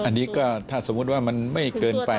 อันนี้ก็ถ้าสมมุติว่ามันไม่เกินไป